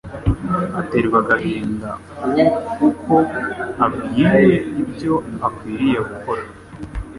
Aterwa agahinda u'uko abwiwe ibyo akwiriye gukora,